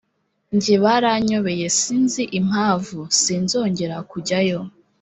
nge byaranyobeye sinzi impavu sinzongera kujyayo